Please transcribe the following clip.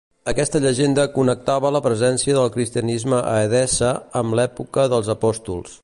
Aquesta llegenda connectava la presència del cristianisme a Edessa amb l'època dels apòstols.